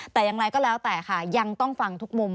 แต่อย่างไรก็แล้วแต่ค่ะยังต้องฟังทุกมุม